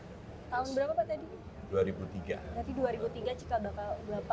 berarti dua ribu tiga cikal bakal berapa